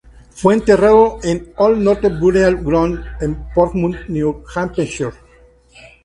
Fue enterrado en Old North Burial Ground en Portsmouth, New Hampshire.